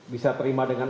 bisa terima dengan